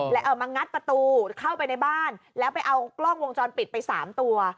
แล้วมางัดประตูเข้าไปในบ้านแล้วไปเอากล้องวงจรปิดไปสามตัว